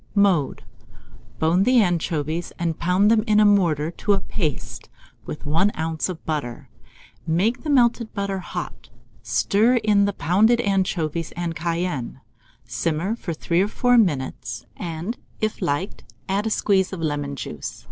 Mode. Bone the anchovies, and pound them in a mortar to a paste, with 1 oz. of butter. Make the melted butter hot, stir in the pounded anchovies and cayenne; simmer for 3 or 4 minutes; and if liked, add a squeeze of lemon juice.